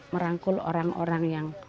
merangkul orang orang yang